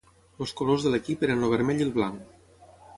Els colors de l'equip eren el vermell i el blanc.